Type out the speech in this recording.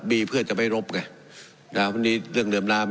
มีเพื่อจะไม่รบไงนะวันนี้เรื่องเดิมน้ำ